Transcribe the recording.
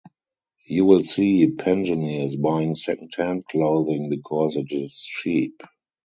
You will see pensioners buying second-hand clothing because it is cheap.